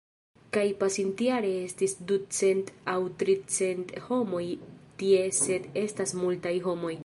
Kaj pasintjare estis ducent aŭ tricent homoj tie sed estas multaj homoj.